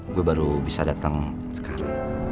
gue baru bisa datang sekarang